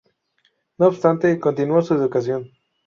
No obstante, continuó su educación.